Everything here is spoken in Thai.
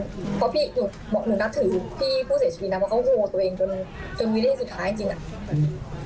เพราะพี่อยู่หนักถือพี่ผู้เสียชีวิตนั้นเขาโหวตตัวเองจนจนวินาทีสุดท้ายจริงจริงอ่ะ